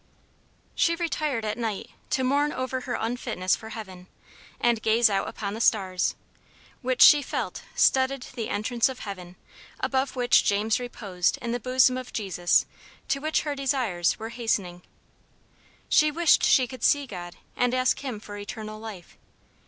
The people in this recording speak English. She retired at night to mourn over her unfitness for heaven, and gaze out upon the stars, which, she felt, studded the entrance of heaven, above which James reposed in the bosom of Jesus, to which her desires were hastening. She wished she could see God, and ask him for eternal life.